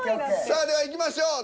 さあではいきましょう。